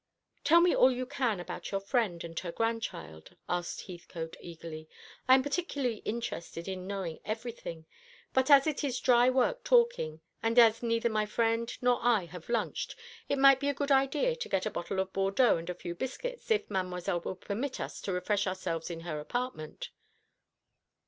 "Tell me all you can about your friend and her grandchild," asked Heathcote eagerly. "I am particularly interested in knowing everything; but as it is dry work talking, and as neither my friend nor I have lunched, it might be a good idea to get a bottle of Bordeaux and a few biscuits, if Mademoiselle will permit us to refresh ourselves in her apartment."